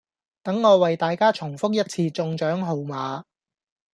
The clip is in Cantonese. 等我為大家重覆一次中獎號碼